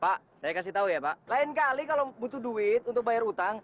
pak saya kasih tahu ya pak lain kali kalau butuh duit untuk bayar utang